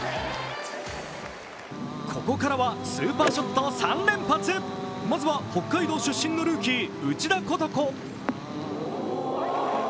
ここからはスーパーショット３連発まずは、北海道出身のルーキー、内田ことこ。